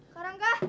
kak ada nggak